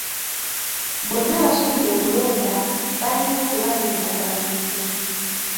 Bonna abasuubira okulonda balina okuba n'endagamuntu.